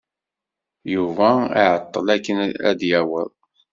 Yuba iɛeḍḍel akken ad d-yaweḍ.